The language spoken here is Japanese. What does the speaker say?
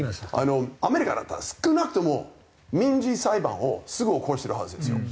アメリカだったら少なくとも民事裁判をすぐ起こしてるはずですよ。